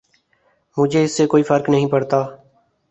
مجھے اس سے کوئی فرق نہیں پڑتا